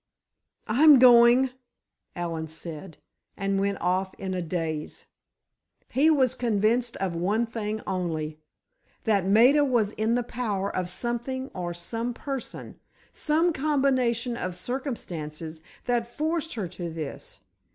"I'm going," Allen said, and went off in a daze. He was convinced of one thing only. That Maida was in the power of something or some person—some combination of circumstances that forced her to this.